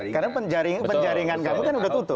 karena penjaringan kamu kan udah tutup